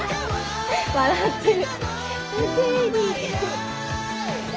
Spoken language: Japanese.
笑ってる。